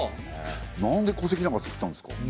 なんで戸籍なんかつくったんですか？